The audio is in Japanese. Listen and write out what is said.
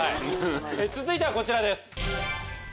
続いてはこちらです。